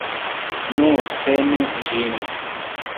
Nu, prenu ĝin!